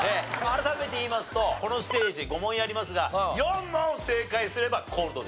改めて言いますとこのステージ５問やりますが４問正解すればコールド。